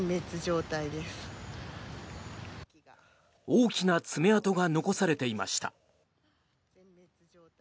大きな爪痕が残されていました。